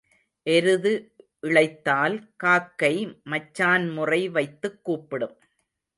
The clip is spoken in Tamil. எருது இளைத்தால் காக்கை மச்சான் முறை வைத்துக் கூப்பிடும்.